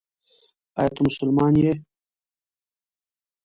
ایا ته مسلمان یې ؟